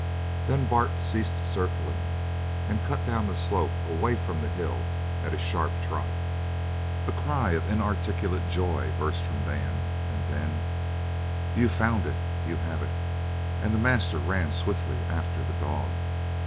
Then Bart ceased circling and cut down the slope away from the hill at a sharp trot. A cry of inarticulate joy burst from Dan, and then: "You've found it! You have it!" and the master ran swiftly after the dog.